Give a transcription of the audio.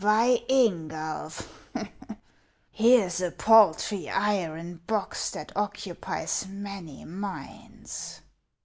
" By Ingulf ! here 's a paltry iron box that occupies many minds.